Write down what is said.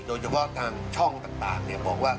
โดยเฉพาะทางช่องต่างบอกว่า